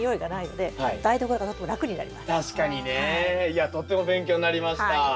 いやとっても勉強になりました。